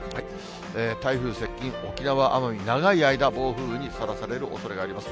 台風接近、沖縄・奄美、長い間、暴風雨にさらされるおそれがあります。